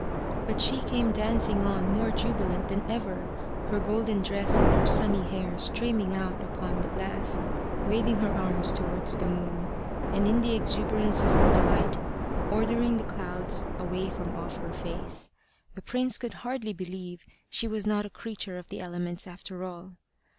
But she came dancing on more jubilant than ever, her golden dress and her sunny hair streaming out upon the blast, waving her arms towards the moon, and in the exuberance of her delight ordering the clouds away from off her face. The prince could hardly believe she was not a creature of the elements, after all.